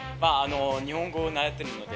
日本語習ってるので。